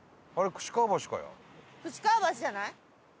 串川橋じゃない？